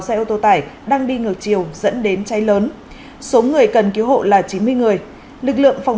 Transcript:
xe ô tô tải đang đi ngược chiều dẫn đến cháy lớn số người cần cứu hộ là chín mươi người lực lượng phòng